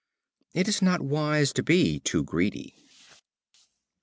It is not wise to be too greedy.